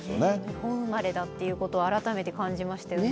日本生まれだということをあらためて感じましたよね。